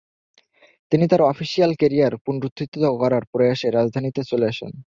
তিনি তার official career পুনরুত্থিত করার প্রয়াসে রাজধানীতে চলে আসেন।